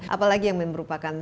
apalagi yang merupakan